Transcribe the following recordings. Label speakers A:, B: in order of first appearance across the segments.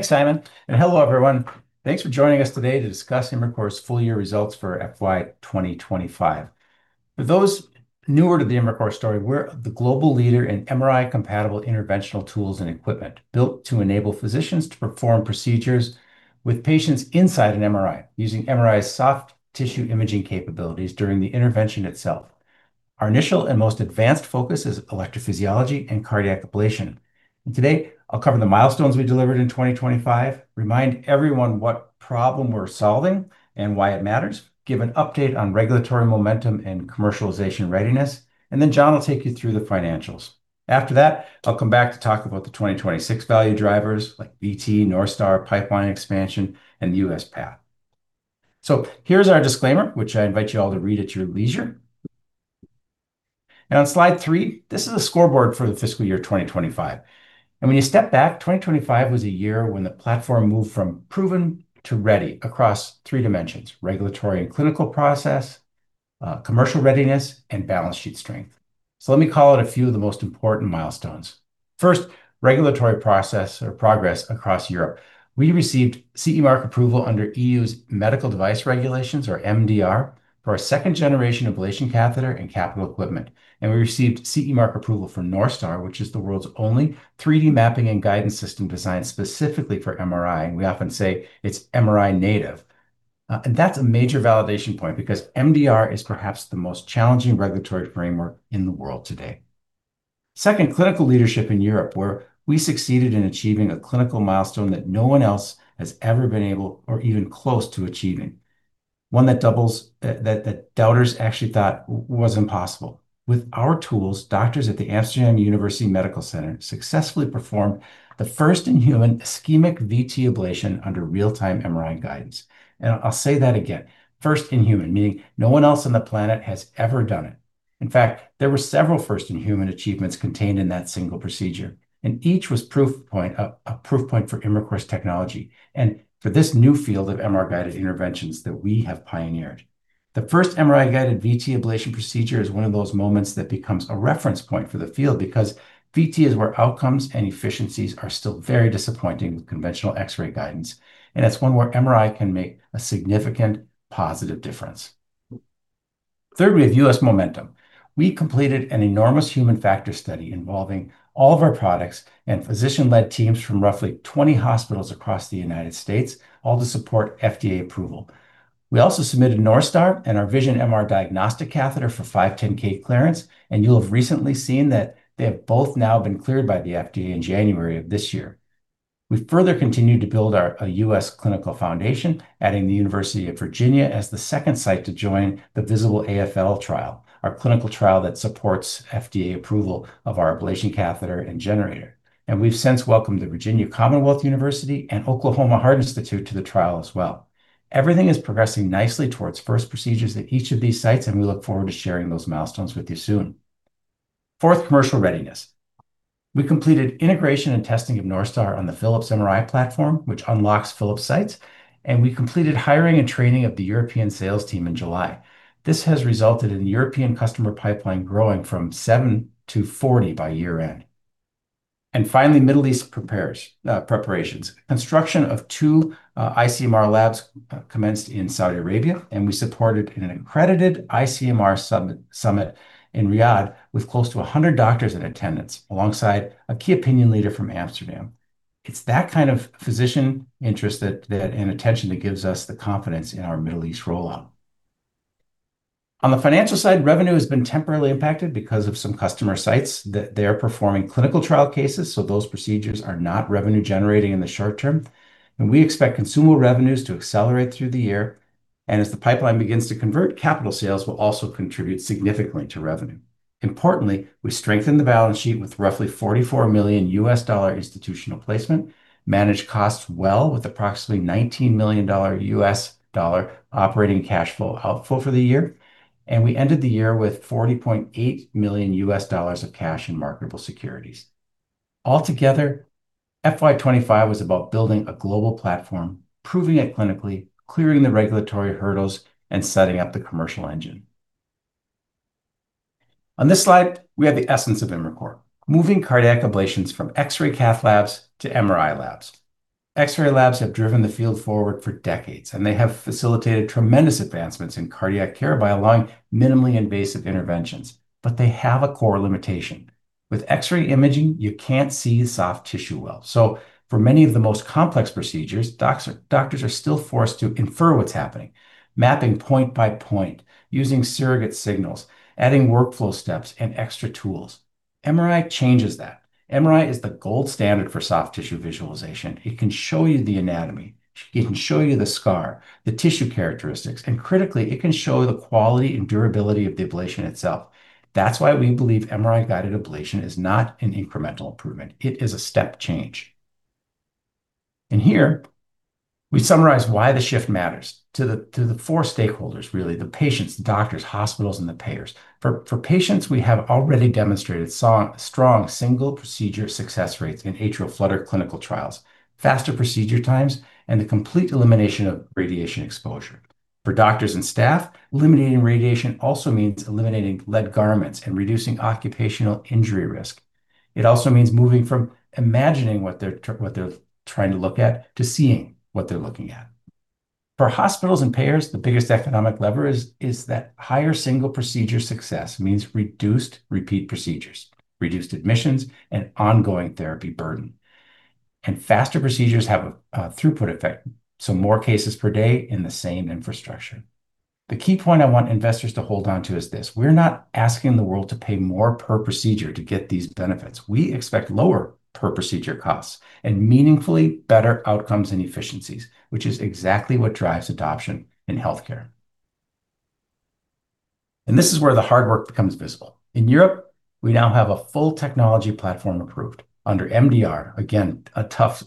A: Thanks, Simon. Hello, everyone. Thanks for joining us today to discuss Imricor's full year results for FY 2025. For those newer to the Imricor story, we're the global leader in MRI-compatible interventional tools and equipment, built to enable physicians to perform procedures with patients inside an MRI, using MRI's soft tissue imaging capabilities during the intervention itself. Our initial and most advanced focus is electrophysiology and cardiac ablation. Today, I'll cover the milestones we delivered in 2025, remind everyone what problem we're solving and why it matters, give an update on regulatory momentum and commercialization readiness. Jon will take you through the financials. After that, I'll come back to talk about the 2026 value drivers, like VT, NorthStar, pipeline expansion, and the U.S. path. Here's our disclaimer, which I invite you all to read at your leisure. On slide three, this is a scoreboard for the fiscal year 2025, when you step back, 2025 was a year when the platform moved from proven to ready across three dimensions: regulatory and clinical process, commercial readiness, and balance sheet strength. Let me call out a few of the most important milestones. First, regulatory process or progress across Europe. We received CE mark approval under EU's Medical Device Regulation, or MDR, for our second-generation ablation catheter and capital equipment, and we received CE mark approval for NorthStar, which is the world's only 3D mapping and guidance system designed specifically for MRI, and we often say it's MRI native. That's a major validation point, because MDR is perhaps the most challenging regulatory framework in the world today. Second, clinical leadership in Europe, where we succeeded in achieving a clinical milestone that no one else has ever been able, or even close to achieving, one that doubters actually thought was impossible. With our tools, doctors at the Amsterdam University Medical Centers successfully performed the first-in-human ischemic VT ablation under real-time MRI guidance. I'll say that again, first in human, meaning no one else on the planet has ever done it. In fact, there were several first-in-human achievements contained in that single procedure, and each was a proof point for Imricor's technology and for this new field of MR-guided interventions that we have pioneered. The first MRI-guided VT ablation procedure is one of those moments that becomes a reference point for the field, because VT is where outcomes and efficiencies are still very disappointing with conventional X-ray guidance, and it's one where MRI can make a significant positive difference. With U.S. momentum, we completed an enormous human factor study involving all of our products and physician-led teams from roughly 20 hospitals across the United States, all to support FDA approval. We also submitted Northstar and our Vision-MR diagnostic catheter for 510(k) clearance, and you'll have recently seen that they have both now been cleared by the FDA in January of this year. We've further continued to build our U.S. clinical foundation, adding the University of Virginia as the second site to join the VISABL-AFL trial, our clinical trial that supports FDA approval of our ablation catheter and generator. We've since welcomed the Virginia Commonwealth University and Oklahoma Heart Institute to the trial as well. Everything is progressing nicely towards first procedures at each of these sites, and we look forward to sharing those milestones with you soon. Fourth, commercial readiness. We completed integration and testing of NorthStar on the Philips MRI platform, which unlocks Philips sites, and we completed hiring and training of the European sales team in July. This has resulted in the European customer pipeline growing from 7 to 40 by year end. Finally, Middle East preparations. Construction of 2 ICMR labs commenced in Saudi Arabia, and we supported an accredited ICMR summit in Riyadh, with close to 100 doctors in attendance, alongside a key opinion leader from Amsterdam. It's that kind of physician interest that and attention, that gives us the confidence in our Middle East rollout. On the financial side, revenue has been temporarily impacted because of some customer sites, that they are performing clinical trial cases, so those procedures are not revenue-generating in the short term. We expect consumable revenues to accelerate through the year, and as the pipeline begins to convert, capital sales will also contribute significantly to revenue. Importantly, we strengthened the balance sheet with roughly $44 million institutional placement, managed costs well with approximately $19 million operating cash flow flow for the year, and we ended the year with $40.8 million of cash in marketable securities. Altogether, FY 25 was about building a global platform, proving it clinically, clearing the regulatory hurdles, and setting up the commercial engine. On this slide, we have the essence of Imricor, moving cardiac ablations from X-ray cath labs to MRI labs. X-ray labs have driven the field forward for decades. They have facilitated tremendous advancements in cardiac care by allowing minimally invasive interventions. They have a core limitation. With X-ray imaging, you can't see the soft tissue well. For many of the most complex procedures, doctors are still forced to infer what's happening, mapping point by point, using surrogate signals, adding workflow steps and extra tools. MRI changes that. MRI is the gold standard for soft tissue visualization. It can show you the anatomy, it can show you the scar, the tissue characteristics. Critically, it can show the quality and durability of the ablation itself. That's why we believe MRI-guided ablation is not an incremental improvement. It is a step change. Here, we summarize why the shift matters to the four stakeholders, really, the patients, the doctors, hospitals and the payers. For patients, we have already demonstrated strong single procedure success rates in atrial flutter clinical trials, faster procedure times, and the complete elimination of radiation exposure. For doctors and staff, eliminating radiation also means eliminating lead garments and reducing occupational injury risk. It also means moving from imagining what they're trying to look at, to seeing what they're looking at. For hospitals and payers, the biggest economic lever is that higher single procedure success means reduced repeat procedures, reduced admissions, and ongoing therapy burden. Faster procedures have a throughput effect, so more cases per day in the same infrastructure. The key point I want investors to hold on to is this: We're not asking the world to pay more per procedure to get these benefits. We expect lower per procedure costs and meaningfully better outcomes and efficiencies, which is exactly what drives adoption in healthcare. This is where the hard work becomes visible. In Europe, we now have a full technology platform approved under MDR. Again, a tough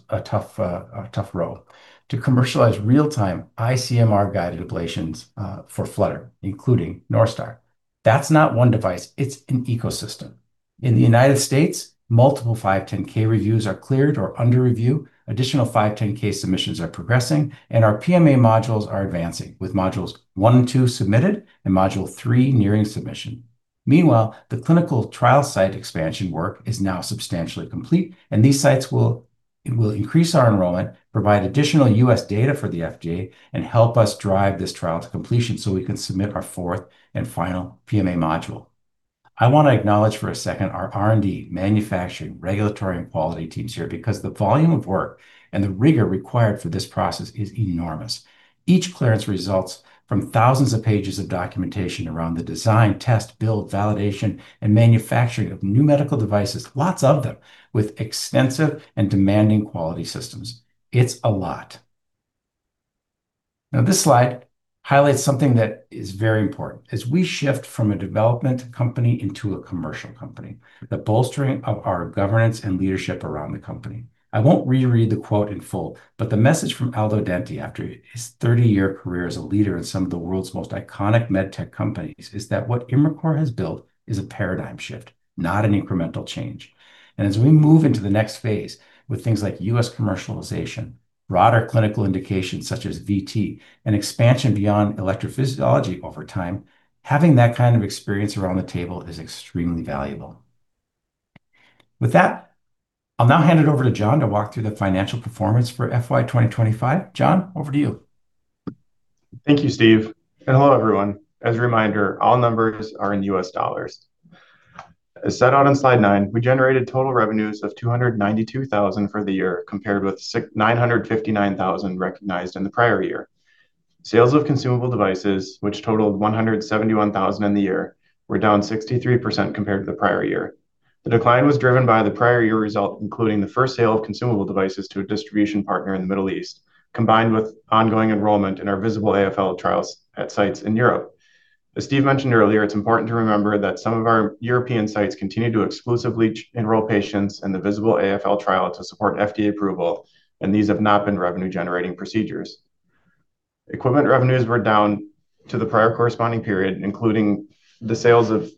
A: row. To commercialize real-time ICMR-guided ablations for Flutter, including NorthStar. That's not one device, it's an ecosystem. In the United States, multiple 510(k) reviews are cleared or under review, additional 510(k) submissions are progressing, our PMA modules are advancing, with modules one and two submitted and module three nearing submission. Meanwhile, the clinical trial site expansion work is now substantially complete, and these sites it will increase our enrollment, provide additional U.S. data for the FDA, and help us drive this trial to completion so we can submit our fourth and final PMA module. I want to acknowledge for a second our R&D, manufacturing, regulatory, and quality teams here, because the volume of work and the rigor required for this process is enormous. Each clearance results from thousands of pages of documentation around the design, test, build, validation, and manufacturing of new medical devices, lots of them, with extensive and demanding quality systems. It's a lot. This slide highlights something that is very important as we shift from a development company into a commercial company, the bolstering of our governance and leadership around the company. I won't reread the quote in full, but the message from Aldo Denti after his 30-year career as a leader in some of the world's most iconic med tech companies, is that what Imricor has built is a paradigm shift, not an incremental change. As we move into the next phase with things like U.S. commercialization, broader clinical indications such as VT, and expansion beyond electrophysiology over time, having that kind of experience around the table is extremely valuable. With that, I'll now hand it over to Jon to walk through the financial performance for FY 2025. Jon, over to you.
B: Thank you, Steve, and hello, everyone. As a reminder, all numbers are in US dollars. As said on in slide nine, we generated total revenues of $292,000 for the year, compared with $959,000 recognized in the prior year. Sales of consumable devices, which totaled $171,000 in the year, were down 63% compared to the prior year. The decline was driven by the prior year result, including the first sale of consumable devices to a distribution partner in the Middle East, combined with ongoing enrollment in our VISABL-AFL trials at sites in Europe. As Steve mentioned earlier, it's important to remember that some of our European sites continue to exclusively enroll patients in the VISABL-AFL trial to support FDA approval, and these have not been revenue-generating procedures. Equipment revenues were down to the prior corresponding period, including the sales of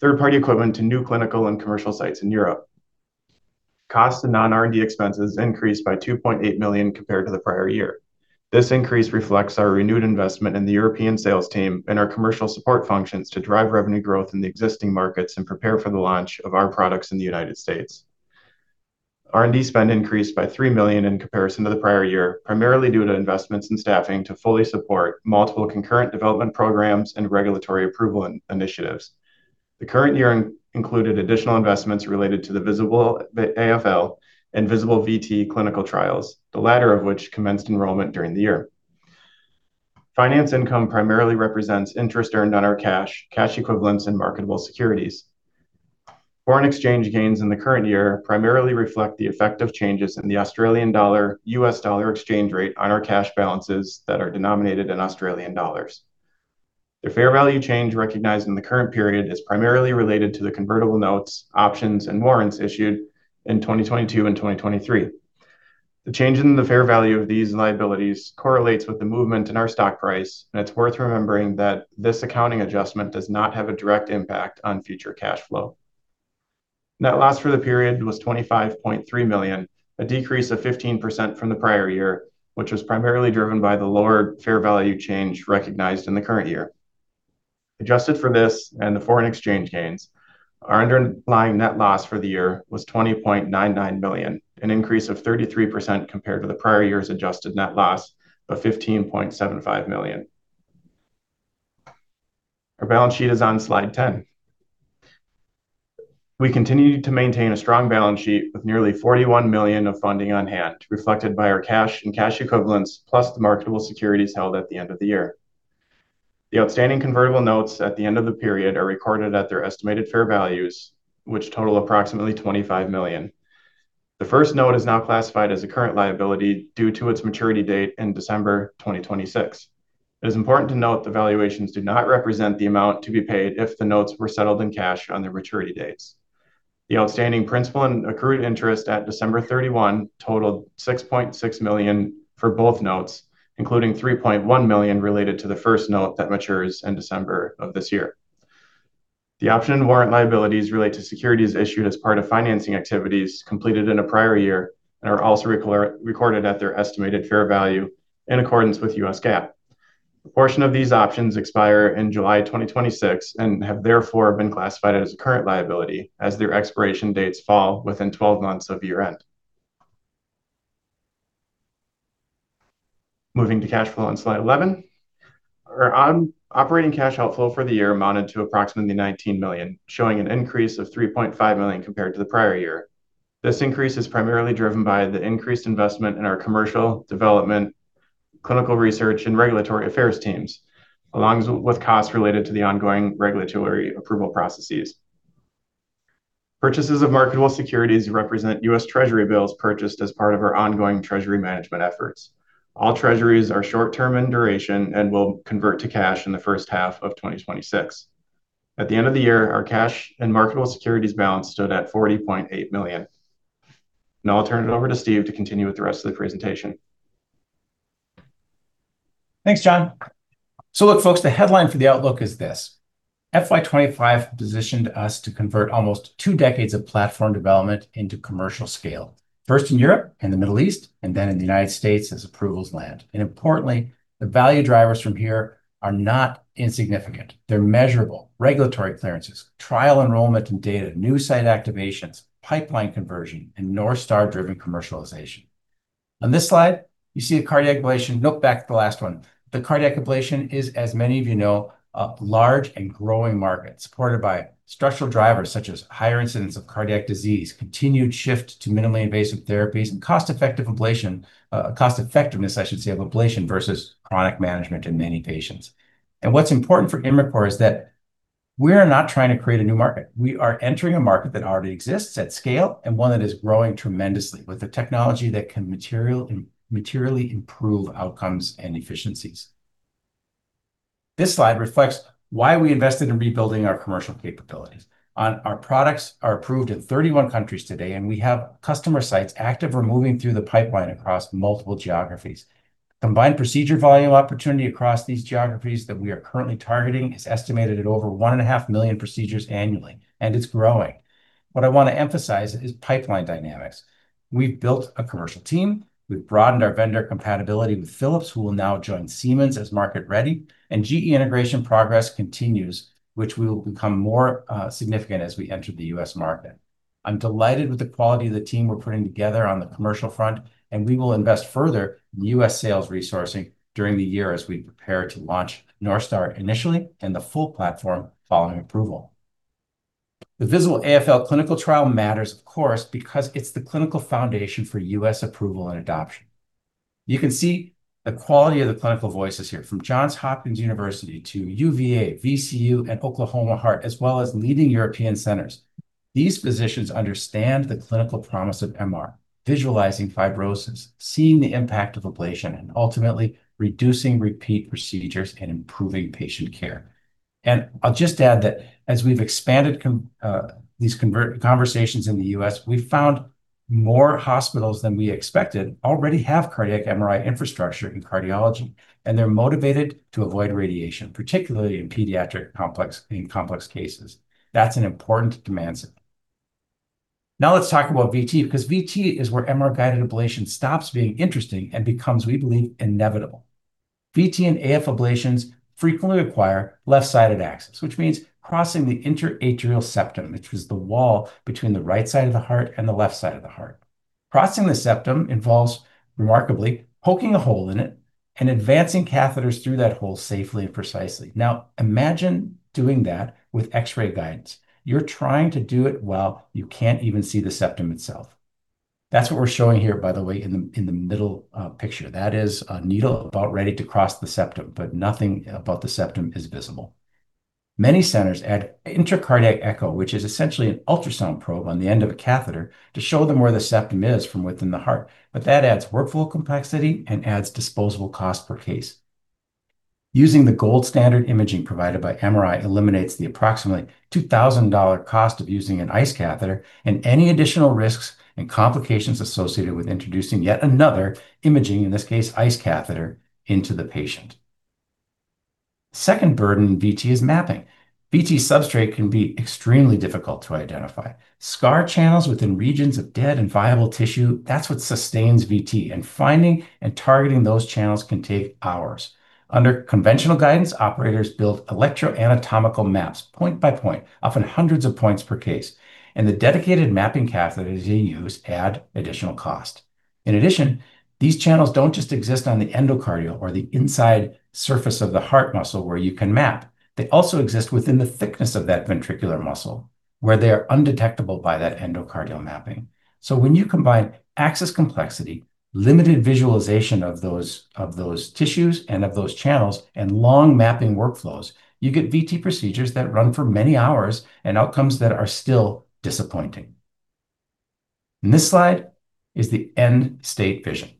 B: third-party equipment to new clinical and commercial sites in Europe. Costs and non-R&D expenses increased by $2.8 million compared to the prior year. This increase reflects our renewed investment in the European sales team and our commercial support functions to drive revenue growth in the existing markets and prepare for the launch of our products in the United States. R&D spend increased by $3 million in comparison to the prior year, primarily due to investments in staffing to fully support multiple concurrent development programs and regulatory approval initiatives. The current year included additional investments related to the VISABL-AFL and VISABL-VT clinical trials, the latter of which commenced enrollment during the year. Finance income primarily represents interest earned on our cash equivalents, and marketable securities. Foreign exchange gains in the current year primarily reflect the effect of changes in the Australian dollar, US dollar exchange rate on our cash balances that are denominated in Australian dollars. The fair value change recognized in the current period is primarily related to the convertible notes, options, and warrants issued in 2022 and 2023. The change in the fair value of these liabilities correlates with the movement in our stock price, and it's worth remembering that this accounting adjustment does not have a direct impact on future cash flow. Net loss for the period was $25.3 million, a decrease of 15% from the prior year, which was primarily driven by the lower fair value change recognized in the current year. Adjusted for this and the foreign exchange gains, our underlying net loss for the year was $20.99 million, an increase of 33% compared to the prior year's adjusted net loss of $15.75 million. Our balance sheet is on slide 10. We continue to maintain a strong balance sheet with nearly $41 million of funding on hand, reflected by our cash and cash equivalents, plus the marketable securities held at the end of the year. The outstanding convertible notes at the end of the period are recorded at their estimated fair values, which total approximately $25 million. The first note is now classified as a current liability due to its maturity date in December 2026. It is important to note the valuations do not represent the amount to be paid if the notes were settled in cash on their maturity dates. The outstanding principal and accrued interest at December 31 totaled $6.6 million for both notes, including $3.1 million related to the first note that matures in December of this year. The option and warrant liabilities relate to securities issued as part of financing activities completed in a prior year, and are also recorded at their estimated fair value in accordance with US GAAP. A portion of these options expire in July 2026, and have therefore been classified as a current liability, as their expiration dates fall within 12 months of year-end. Moving to cash flow on slide 11. Our operating cash outflow for the year amounted to approximately $19 million, showing an increase of $3.5 million compared to the prior year. This increase is primarily driven by the increased investment in our commercial development, clinical research, and regulatory affairs teams, along with costs related to the ongoing regulatory approval processes. Purchases of marketable securities represent U.S. Treasury bills purchased as part of our ongoing treasury management efforts. All treasuries are short-term in duration and will convert to cash in the first half of 2026. At the end of the year, our cash and marketable securities balance stood at $40.8 million. Now I'll turn it over to Steve to continue with the rest of the presentation.
A: Thanks, Jon. Look, folks, the headline for the outlook is this: FY 2025 positioned us to convert almost 2 decades of platform development into commercial scale, first in Europe and the Middle East, and then in the United States as approvals land. Importantly, the value drivers from here are not insignificant. They're measurable. Regulatory clearances, trial enrollment and data, new site activations, pipeline conversion, and NorthStar-driven commercialization. On this slide, you see a cardiac ablation. Nope, back to the last one. The cardiac ablation is, as many of you know, a large and growing market, supported by structural drivers such as higher incidence of cardiac disease, continued shift to minimally invasive therapies, and cost-effective ablation, cost effectiveness, I should say, of ablation versus chronic management in many patients. What's important for Imricor is that we're not trying to create a new market. We are entering a market that already exists at scale, and one that is growing tremendously with a technology that can materially improve outcomes and efficiencies. This slide reflects why we invested in rebuilding our commercial capabilities. Our products are approved in 31 countries today, and we have customer sites, active or moving through the pipeline across multiple geographies. Combined procedure volume opportunity across these geographies that we are currently targeting is estimated at over 1.5 million procedures annually, and it's growing. What I want to emphasize is pipeline dynamics. We've built a commercial team. We've broadened our vendor compatibility with Philips, who will now join Siemens as market-ready, and GE integration progress continues, which will become more significant as we enter the U.S. market. I'm delighted with the quality of the team we're putting together on the commercial front, we will invest further in US sales resourcing during the year as we prepare to launch NorthStar initially, and the full platform following approval. The VISABL-AFL clinical trial matters, of course, because it's the clinical foundation for US approval and adoption. You can see the quality of the clinical voices here, from Johns Hopkins University to UVA, VCU, and Oklahoma Heart, as well as leading European centers. These physicians understand the clinical promise of MR, visualizing fibrosis, seeing the impact of ablation, and ultimately reducing repeat procedures and improving patient care. I'll just add that as we've expanded conversations in the U.S., we've found more hospitals than we expected already have cardiac MRI infrastructure in cardiology, and they're motivated to avoid radiation, particularly in pediatric, complex, in complex cases. That's an important demand signal. Let's talk about VT, because VT is where MR-guided ablation stops being interesting and becomes, we believe, inevitable. VT and AF ablations frequently require left-sided access, which means crossing the interatrial septum, which is the wall between the right side of the heart and the left side of the heart. Crossing the septum involves, remarkably, poking a hole in it and advancing catheters through that hole safely and precisely. Imagine doing that with X-ray guidance. You're trying to do it while you can't even see the septum itself. That's what we're showing here, by the way, in the middle picture. That is a needle about ready to cross the septum, nothing about the septum is visible. Many centers add Intracardiac echo, which is essentially an ultrasound probe on the end of a catheter, to show them where the septum is from within the heart, that adds workflow complexity and adds disposable cost per case. Using the gold standard imaging provided by MRI eliminates the approximately $2,000 cost of using an ICE catheter and any additional risks and complications associated with introducing yet another imaging, in this case, ICE catheter, into the patient. Second burden in VT is mapping. VT substrate can be extremely difficult to identify. Scar channels within regions of dead and viable tissue, that's what sustains VT, finding and targeting those channels can take hours. Under conventional guidance, operators build electroanatomical maps point by point, often hundreds of points per case. The dedicated mapping catheters they use add additional cost. In addition, these channels don't just exist on the endocardial, or the inside surface of the heart muscle, where you can map. They also exist within the thickness of that ventricular muscle, where they are undetectable by that endocardial mapping. When you combine access complexity, limited visualization of those tissues and of those channels, and long mapping workflows, you get VT procedures that run for many hours and outcomes that are still disappointing. This slide is the end-state vision.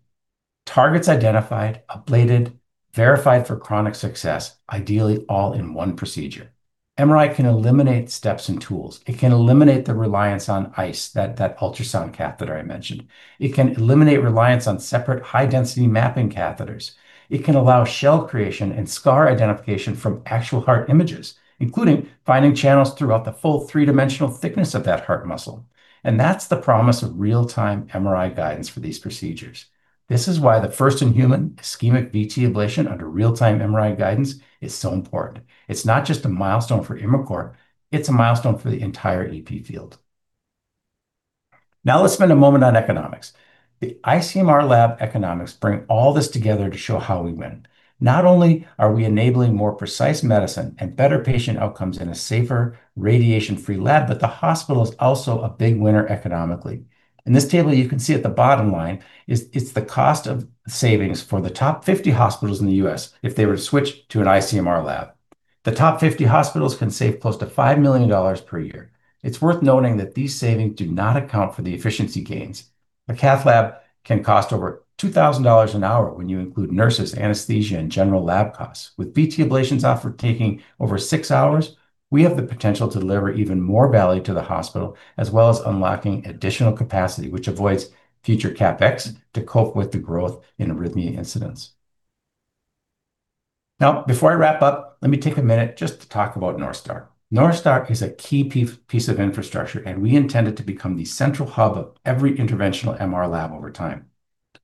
A: Targets identified, ablated, verified for chronic success, ideally all in one procedure. MRI can eliminate steps and tools. It can eliminate the reliance on ICE, that ultrasound catheter I mentioned. It can eliminate reliance on separate high-density mapping catheters. It can allow shell creation and scar identification from actual heart images, including finding channels throughout the full three-dimensional thickness of that heart muscle. That's the promise of real-time MRI guidance for these procedures. This is why the first-in-human ischemic VT ablation under real-time MRI guidance is so important. It's not just a milestone for Imricor, it's a milestone for the entire EP field. Let's spend a moment on economics. The ICMR lab economics bring all this together to show how we win. Not only are we enabling more precise medicine and better patient outcomes in a safer, radiation-free lab, the hospital is also a big winner economically. In this table, you can see at the bottom line is the cost of savings for the top 50 hospitals in the U.S. if they were to switch to an ICMR lab. The top 50 hospitals can save close to $5 million per year. It's worth noting that these savings do not account for the efficiency gains. A cath lab can cost over $2,000 an hour when you include nurses, anesthesia, and general lab costs. With VT ablations often taking over six hours, we have the potential to deliver even more value to the hospital, as well as unlocking additional capacity, which avoids future CapEx to cope with the growth in arrhythmia incidents. Before I wrap up, let me take a minute just to talk about NorthStar. NorthStar is a key pie- piece of infrastructure, and we intend it to become the central hub of every interventional MR lab over time.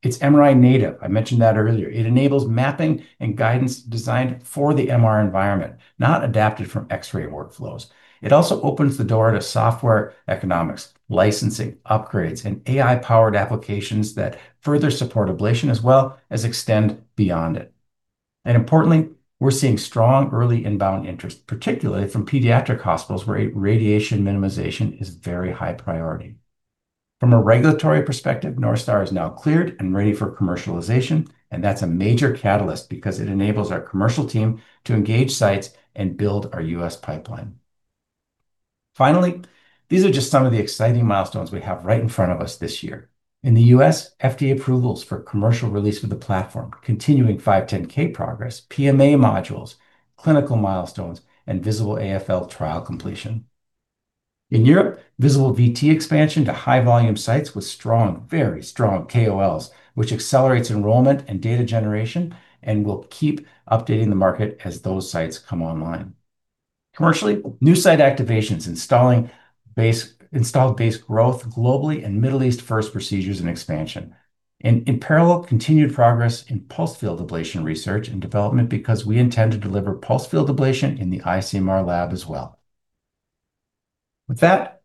A: It's MRI native. I mentioned that earlier. It enables mapping and guidance designed for the MR environment, not adapted from X-ray workflows. It also opens the door to software economics, licensing, upgrades, and AI-powered applications that further support ablation, as well as extend beyond it. Importantly, we're seeing strong early inbound interest, particularly from pediatric hospitals, where radiation minimization is very high priority. From a regulatory perspective, NorthStar is now cleared and ready for commercialization. That's a major catalyst because it enables our commercial team to engage sites and build our U.S. pipeline. Finally, these are just some of the exciting milestones we have right in front of us this year. In the U.S., FDA approvals for commercial release of the platform, continuing 510 progress, PMA modules, clinical milestones, and VISABL-AF trial completion. In Europe, VISABL-VT expansion to high-volume sites with strong, very strong KOLs, which accelerates enrollment and data generation and will keep updating the market as those sites come online. Commercially, new site activations, installed base growth globally, and Middle East first procedures and expansion. In parallel, continued progress in pulsed field ablation research and development because we intend to deliver pulsed field ablation in the ICMR lab as well. With that,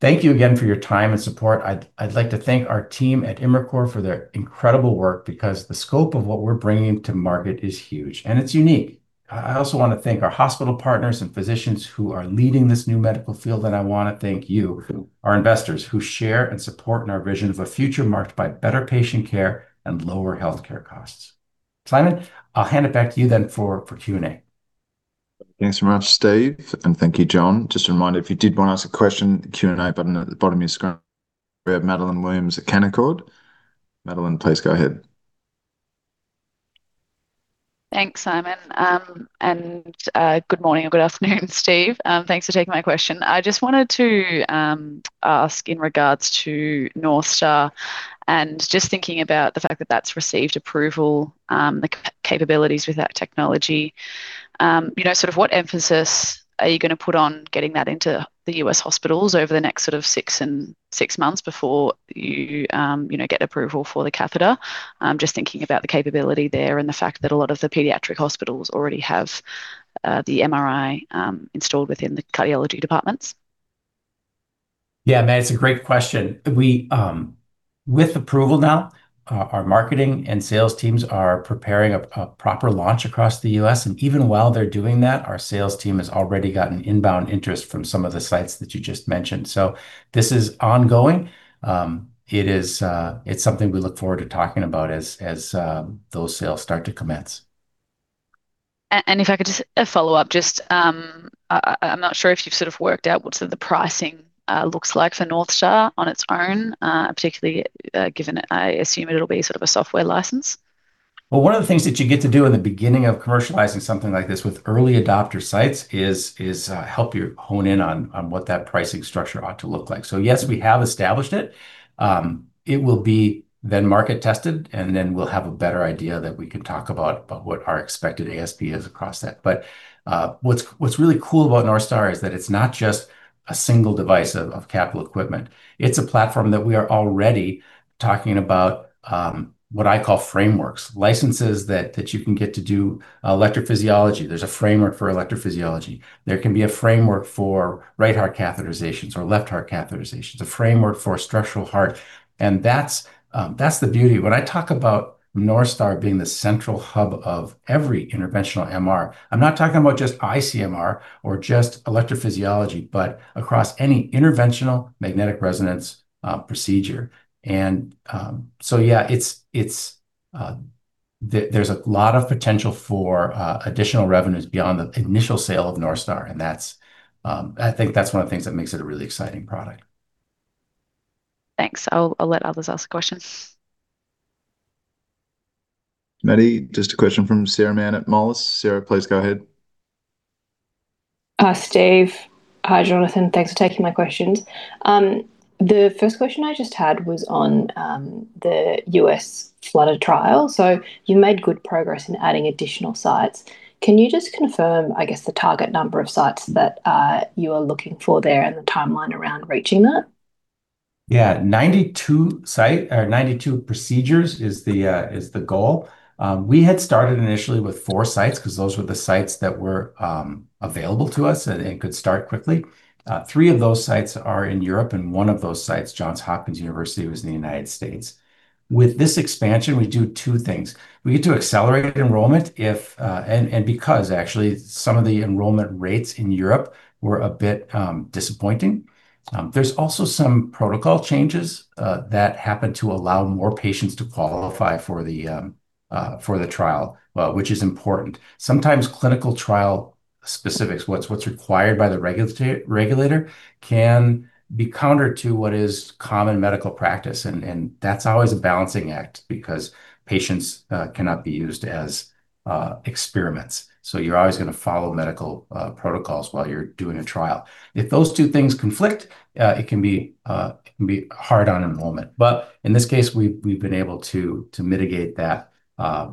A: thank you again for your time and support. I'd like to thank our team at Imricor for their incredible work, because the scope of what we're bringing to market is huge, and it's unique. I also wanna thank our hospital partners and physicians who are leading this new medical field, and I wanna thank you, our investors, who share and support in our vision of a future marked by better patient care and lower healthcare costs. Simon, I'll hand it back to you then for Q&A.
C: Thanks so much, Steve, and thank you, Jon. Just a reminder, if you did want to ask a question, the Q&A button at the bottom of your screen. We have Madeleine Williams at Canaccord. Madeleine, please go ahead.
D: Thanks, Simon, and good morning or good afternoon, Steve. Thanks for taking my question. I just wanted to ask in regards to NorthStar, and just thinking about the fact that that's received approval, capabilities with that technology, you know, sort of what emphasis are you gonna put on getting that into the U.S. hospitals over the next sort of 6 and 6 months before you know, get approval for the catheter? Just thinking about the capability there and the fact that a lot of the pediatric hospitals already have the MRI installed within the cardiology departments.
A: Yeah, Mad, it's a great question. We With approval now, our marketing and sales teams are preparing a proper launch across the U.S. Even while they're doing that, our sales team has already gotten inbound interest from some of the sites that you just mentioned, this is ongoing. It is, it's something we look forward to talking about as those sales start to commence.
D: If I could just a follow-up, just, I'm not sure if you've sort of worked out what sort of the pricing looks like for NorthStar on its own, particularly given I assume it'll be sort of a software license?
A: One of the things that you get to do in the beginning of commercializing something like this with early adopter sites is help you hone in on what that pricing structure ought to look like. Yes, we have established it. It will be then market-tested, we'll have a better idea that we can talk about what our expected ASP is across that. What's really cool about NorthStar is that it's not just a single device of capital equipment. It's a platform that we are already talking about what I call frameworks, licenses that you can get to do electrophysiology. There's a framework for electrophysiology. There can be a framework for right heart catheterization or left heart catheterization, a framework for structural heart. That's the beauty. When I talk about NorthStar being the central hub of every interventional MR, I'm not talking about just ICMR or just electrophysiology, but across any interventional magnetic resonance procedure. yeah, it's there's a lot of potential for additional revenues beyond the initial sale of NorthStar, and that's, I think that's one of the things that makes it a really exciting product.
D: Thanks. I'll let others ask questions.
C: Maddie, just a question from Sarah Mann at Moelis. Sarah, please go ahead.
E: Hi, Steve. Hi, Jonathan. Thanks for taking my questions. The first question I just had was on the U.S. Flutter trial. You made good progress in adding additional sites. Can you just confirm, I guess, the target number of sites that you are looking for there and the timeline around reaching that?
A: Yeah. 92 site, or 92 procedures is the goal. We had started initially with 4 sites, 'cause those were the sites that were available to us and could start quickly. 3 of those sites are in Europe, and 1 of those sites, Johns Hopkins University, was in the United States. With this expansion, we do 2 things. We get to accelerate enrollment if because actually some of the enrollment rates in Europe were a bit disappointing. There's also some protocol changes that happened to allow more patients to qualify for the trial, which is important. Sometimes clinical trial specifics, what's required by the regulator, can be counter to what is common medical practice, that's always a balancing act because patients cannot be used as experiments. You're always gonna follow medical protocols while you're doing a trial. If those two things conflict, it can be hard on enrollment. In this case, we've been able to mitigate that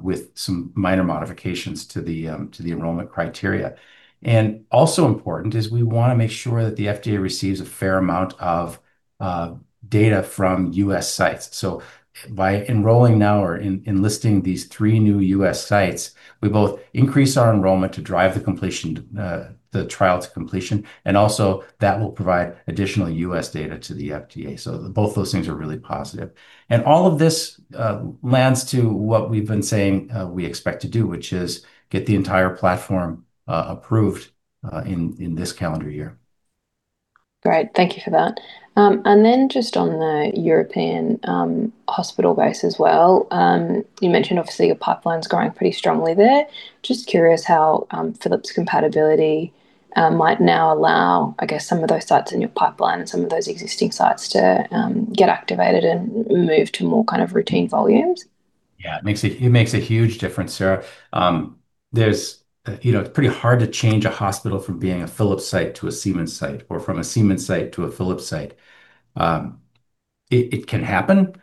A: with some minor modifications to the enrollment criteria. Also important is we wanna make sure that the FDA receives a fair amount of data from U.S. sites. By enrolling now or enlisting these three new U.S. sites, we both increase our enrollment to drive the completion, the trial to completion, and also that will provide additional U.S. data to the FDA. Both those things are really positive. All of this lands to what we've been saying, we expect to do, which is get the entire platform approved in this calendar year.
E: Great. Thank you for that. Just on the European hospital base as well, you mentioned obviously your pipeline's growing pretty strongly there. Just curious how Philips compatibility might now allow, I guess, some of those sites in your pipeline and some of those existing sites to get activated and move to more kind of routine volumes?
A: Yeah, it makes a huge difference, Sarah. There's, you know, it's pretty hard to change a hospital from being a Philips site to a Siemens site, or from a Siemens site to a Philips site. It can happen.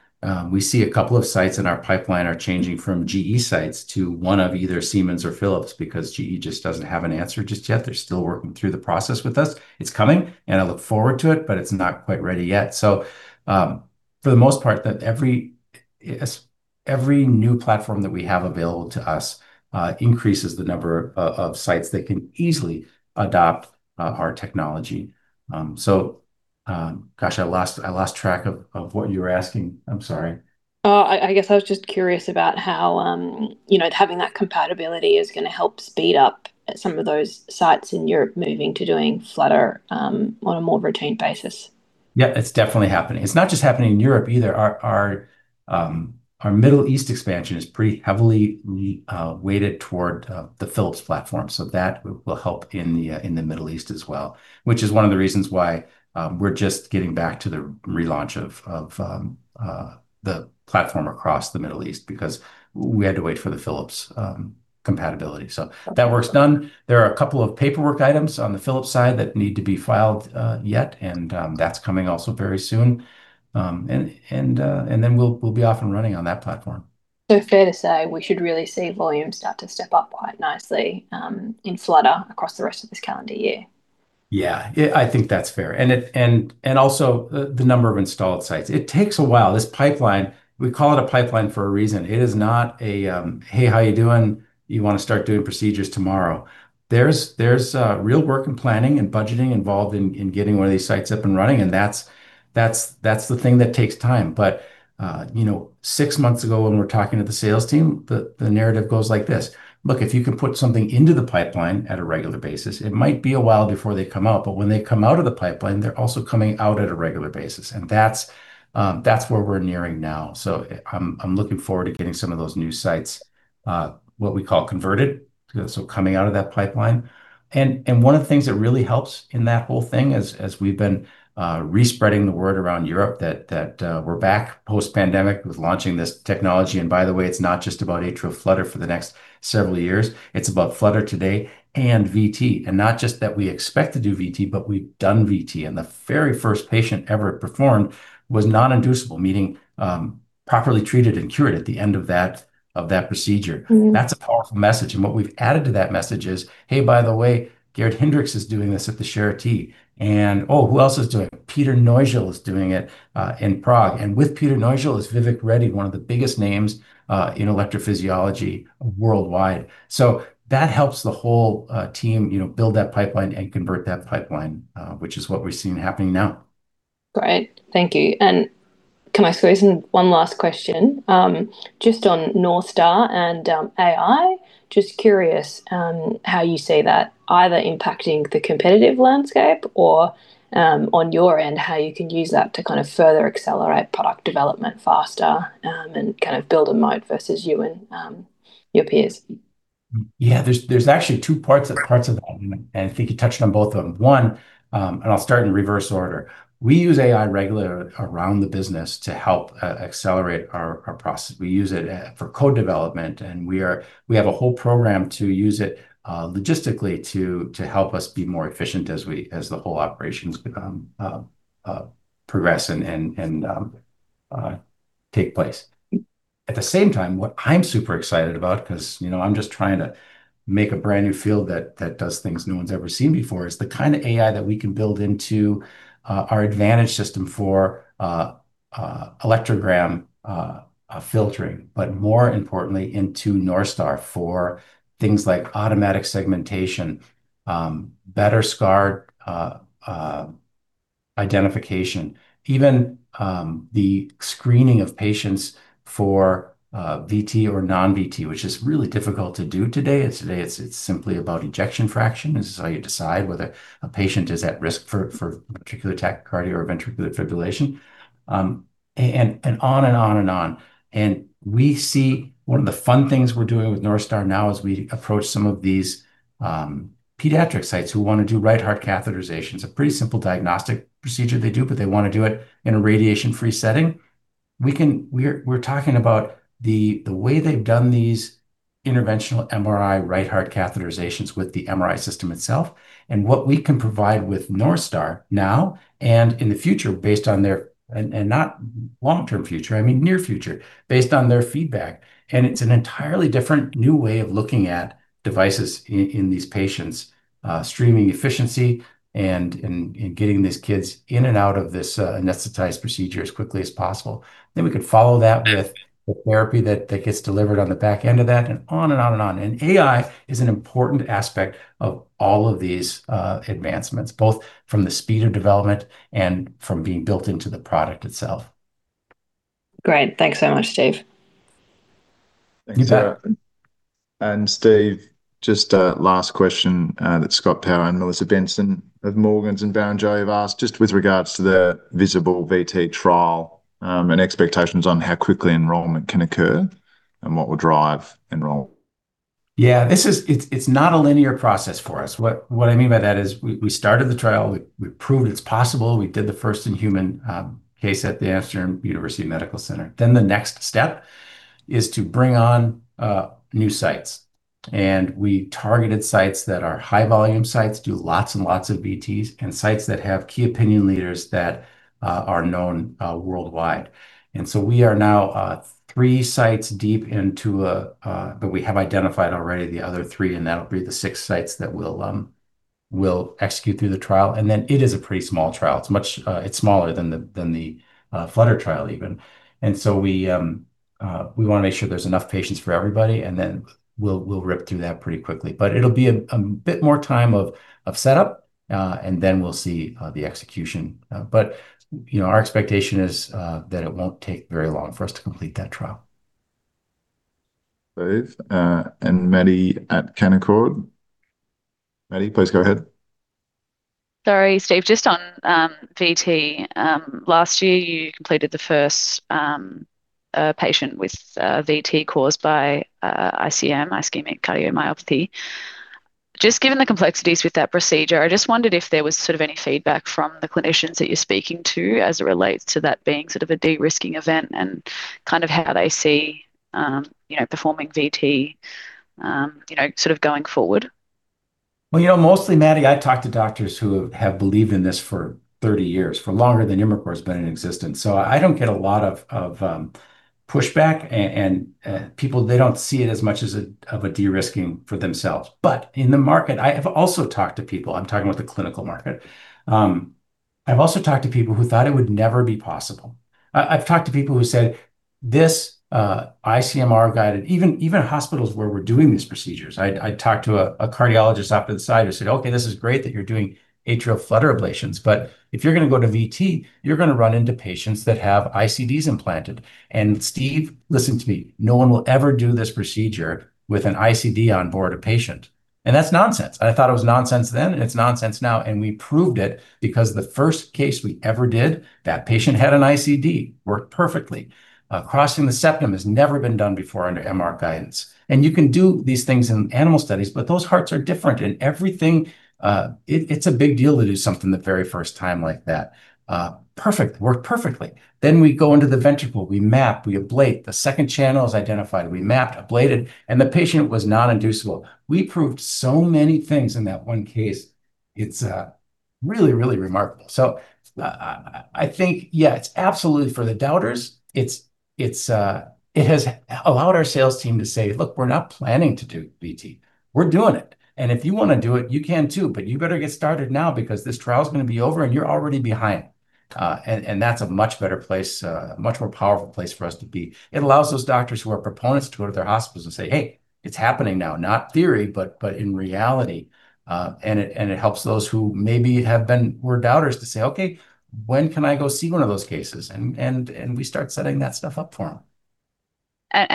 A: We see a couple of sites in our pipeline are changing from GE sites to one of either Siemens or Philips, because GE just doesn't have an answer just yet. They're still working through the process with us. It's coming, I look forward to it, but it's not quite ready yet. For the most part, that every new platform that we have available to us, increases the number of sites that can easily adopt our technology. Gosh, I lost track of what you were asking. I'm sorry.
E: I guess I was just curious about how, you know, having that compatibility is gonna help speed up some of those sites in Europe moving to doing Flutter on a more routine basis.
A: It's definitely happening. It's not just happening in Europe either. Our Middle East expansion is pretty heavily weighted toward the Philips platform, so that will help in the Middle East as well, which is one of the reasons why we're just getting back to the relaunch of the platform across the Middle East, because we had to wait for the Philips compatibility.
E: Okay.
A: That work's done. There are a couple of paperwork items on the Philips side that need to be filed, yet, and, that's coming also very soon. We'll be off and running on that platform.
E: Fair to say, we should really see volumes start to step up quite nicely, in Flutter across the rest of this calendar year?
A: Yeah. Yeah, I think that's fair. Also, the number of installed sites. It takes a while. This pipeline, we call it a pipeline for a reason. It is not a, "Hey, how you doing? You wanna start doing procedures tomorrow?" There's real work and planning and budgeting involved in getting one of these sites up and running, and that's the thing that takes time. You know, six months ago, when we were talking to the sales team, the narrative goes like this: "Look, if you can put something into the pipeline at a regular basis, it might be a while before they come out, but when they come out of the pipeline, they're also coming out at a regular basis." That's where we're nearing now. I'm looking forward to getting some of those new sites, what we call converted, coming out of that pipeline. One of the things that really helps in that whole thing is, as we've been re-spreading the word around Europe that we're back post-pandemic with launching this technology, and by the way, it's not just about atrial flutter for the next several years, it's about flutter today and VT. Not just that we expect to do VT, but we've done VT, and the very first patient ever performed was non-inducible, meaning properly treated and cured at the end of that procedure.
E: Mm-hmm.
A: That's a powerful message, and what we've added to that message is: "Hey, by the way, Gerhard Hindricks is doing this at the Charité. Oh, who else is doing it? Petr Neuzil is doing it in Prague. With Petr Neuzil is Vivek Reddy, one of the biggest names in electrophysiology worldwide." That helps the whole team, you know, build that pipeline and convert that pipeline, which is what we're seeing happening now.
E: Great. Thank you. Can I squeeze in one last question? Just on NorthStar and AI, just curious how you see that either impacting the competitive landscape or on your end, how you can use that to kind of further accelerate product development faster and kind of build a mode versus you and your peers?...
A: Yeah, there's actually two parts of that. I think you touched on both of them. One. I'll start in reverse order. We use AI regularly around the business to help accelerate our process. We use it for code development. We have a whole program to use it logistically to help us be more efficient as the whole operations become progress and take place. At the same time, what I'm super excited about, 'cause, you know, I'm just trying to make a brand new field that does things no one's ever seen before, is the kind of AI that we can build into our Advantage-MR system for electrogram filtering, but more importantly, into NorthStar for things like automatic segmentation, better scar identification. Even the screening of patients for VT or non-VT, which is really difficult to do today. Today, it's simply about ejection fraction. This is how you decide whether a patient is at risk for ventricular tachycardia or ventricular fibrillation. and on and on and on. We see one of the fun things we're doing with NorthStar now as we approach some of these pediatric sites who want to do right heart catheterizations, a pretty simple diagnostic procedure they do, but they want to do it in a radiation-free setting. We're talking about the way they've done these interventional MRI right heart catheterizations with the MRI system itself, and what we can provide with NorthStar now and in the future, based on their not long-term future, I mean, near future, based on their feedback. It's an entirely different new way of looking at devices in these patients, streaming efficiency and getting these kids in and out of this anesthetized procedure as quickly as possible. We could follow that with the therapy that gets delivered on the back end of that, and on and on and on. AI is an important aspect of all of these advancements, both from the speed of development and from being built into the product itself.
E: Great. Thanks so much, Steve.
C: Thank you. Steve, just a last question that Scott Power and Melissa Benson of Morgans and Barrenjoey have asked, just with regards to the VISABL-VT trial, and expectations on how quickly enrollment can occur and what will drive enrollment.
A: It's not a linear process for us. What I mean by that is, we started the trial, we proved it's possible. We did the first in-human case at the Amsterdam University Medical Centers. The next step is to bring on new sites, and we targeted sites that are high volume sites, do lots and lots of VTs, and sites that have key opinion leaders that are known worldwide. We are now three sites deep, but we have identified already the other three, and that'll be the six sites that we'll execute through the trial. It is a pretty small trial. It's much, it's smaller than the flutter trial even. We wanna make sure there's enough patients for everybody, and then we'll rip through that pretty quickly. It'll be a bit more time of setup, and then we'll see the execution. You know, our expectation is that it won't take very long for us to complete that trial.
C: Steve and Maddie at Canaccord. Maddie, please go ahead.
D: Sorry, Steve. Just on VT, last year, you completed the first patient with VT caused by ICM, ischemic cardiomyopathy. Just given the complexities with that procedure, I just wondered if there was sort of any feedback from the clinicians that you're speaking to as it relates to that being sort of a de-risking event, and kind of how they see, you know, performing VT, you know, sort of going forward?
A: Well, you know, mostly, Maddie, I've talked to doctors who have believed in this for 30 years, for longer than Imricor has been in existence, I don't get a lot of pushback. People, they don't see it as much as a de-risking for themselves. In the market, I have also talked to people, I'm talking about the clinical market, I've also talked to people who thought it would never be possible. I've talked to people who said, "This ICMR-guided," even hospitals where we're doing these procedures. I talked to a cardiologist out to the side who said, "Okay, this is great that you're doing atrial flutter ablations, but if you're gonna go to VT, you're gonna run into patients that have ICDs implanted. Steve, listen to me, no one will ever do this procedure with an ICD on board a patient. That's nonsense. I thought it was nonsense then, and it's nonsense now, and we proved it because the first case we ever did, that patient had an ICD, worked perfectly. Crossing the septum has never been done before under MR guidance. You can do these things in animal studies, but those hearts are different, and everything, it's a big deal to do something the very first time like that. Perfect, worked perfectly. We go into the ventricle, we map, we ablate. The second channel is identified, we mapped, ablated, and the patient was not inducible. We proved so many things in that one case. It's really, really remarkable. I think, yeah, it's absolutely for the doubters. It's, it has allowed our sales team to say, "Look, we're not planning to do VT, we're doing it. If you wanna do it, you can too, you better get started now because this trial is gonna be over, and you're already behind." That's a much better place, a much more powerful place for us to be. It allows those doctors who are proponents to go to their hospitals and say, "Hey, it's happening now. Not theory, but in reality." It helps those who maybe have been doubters to say, "Okay, when can I go see one of those cases?" We start setting that stuff up for them.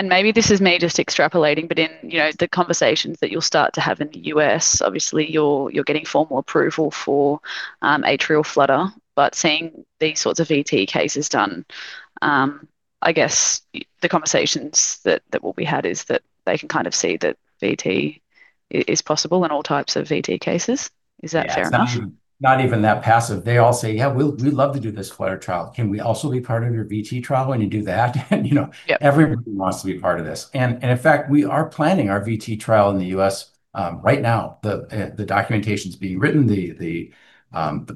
D: Maybe this is me just extrapolating, in, you know, the conversations that you'll start to have in the U.S., obviously, you're getting formal approval for atrial flutter, seeing these sorts of VT cases done, I guess the conversations that will be had is that they can kind of see that VT is possible in all types of VT cases. Is that fair?
A: It's not even that passive. They all say, "Yeah, we'd love to do this Flutter trial. Can we also be part of your VT trial when you do that?" you know.
D: Yeah...
A: everybody wants to be part of this. In fact, we are planning our VT trial in the U.S. right now. The documentation's being written, the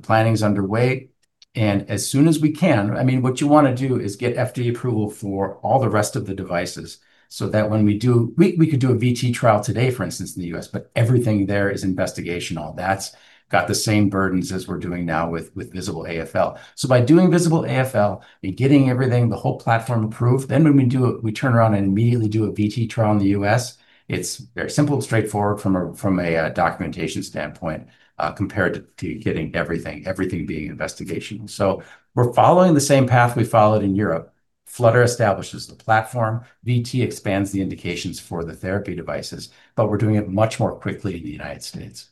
A: planning's underway, and as soon as we can... I mean, what you wanna do is get FDA approval for all the rest of the devices, so that when we could do a VT trial today, for instance, in the U.S., but everything there is investigational. That's got the same burdens as we're doing now with VISABL-AFL. By doing VISABL-AFL and getting everything, the whole platform approved, then when we do it, we turn around and immediately do a VT trial in the U.S., it's very simple and straightforward from a documentation standpoint compared to getting everything being investigational. We're following the same path we followed in Europe. Flutter establishes the platform, VT expands the indications for the therapy devices, but we're doing it much more quickly in the United States.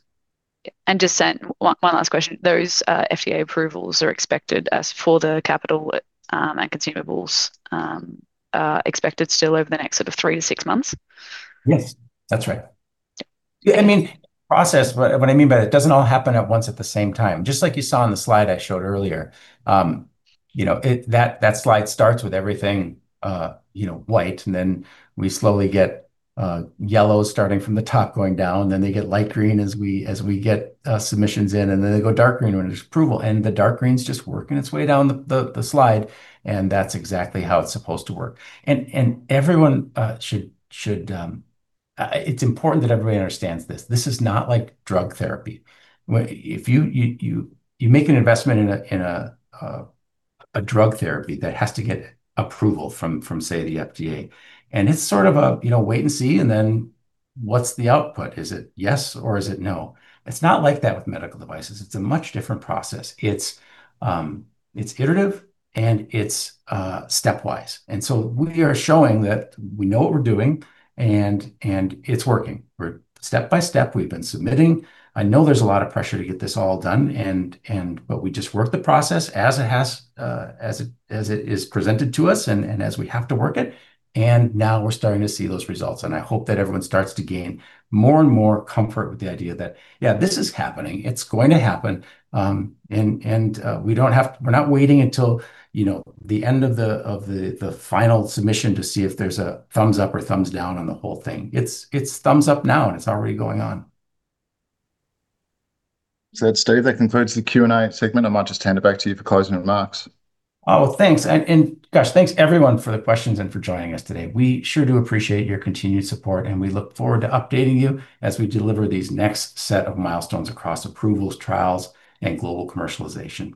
D: Just one last question. Those FDA approvals are expected as for the capital, and consumables, are expected still over the next sort of 3-6 months?
A: Yes, that's right. I mean, process, what I mean by that, it doesn't all happen at once at the same time. Just like you saw on the slide I showed earlier, you know, that slide starts with everything, white, and then we slowly get yellow starting from the top, going down, then they get light green as we get submissions in, and then they go dark green when there's approval. The dark green's just working its way down the slide, and that's exactly how it's supposed to work. Everyone should. It's important that everybody understands this. This is not like drug therapy, where if you make an investment in a drug therapy, that has to get approval from, say, the FDA. It's sort of a, you know, wait and see, and then what's the output? Is it yes or is it no? It's not like that with medical devices. It's a much different process. It's iterative, and it's stepwise. We are showing that we know what we're doing, and it's working. We're step by step, we've been submitting. I know there's a lot of pressure to get this all done. We just work the process as it has, as it is presented to us and as we have to work it, and now we're starting to see those results. I hope that everyone starts to gain more and more comfort with the idea that, yeah, this is happening. It's going to happen. We're not waiting until, you know, the end of the final submission to see if there's a thumbs up or thumbs down on the whole thing. It's thumbs up now, and it's already going on.
C: Steve, that concludes the Q&A segment. I might just hand it back to you for closing remarks.
A: Oh, thanks. Just thanks everyone for the questions and for joining us today. We sure do appreciate your continued support, and we look forward to updating you as we deliver these next set of milestones across approvals, trials, and global commercialization.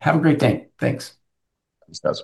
A: Have a great day. Thanks.
C: Thanks, guys.